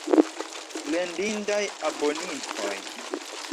Plendindaj abonintoj!